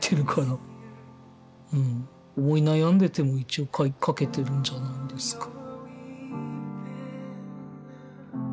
うん思い悩んでても一応描けてるんじゃないんですか。